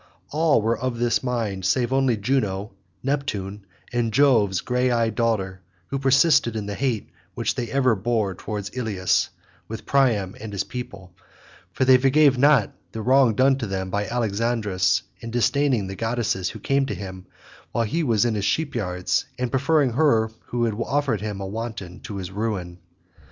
All were of this mind save only Juno, Neptune, and Jove's grey eyed daughter, who persisted in the hate which they had ever borne towards Ilius with Priam and his people; for they forgave not the wrong done them by Alexandrus in disdaining the goddesses who came to him when he was in his sheepyards, and preferring her who had offered him a wanton to his ruin.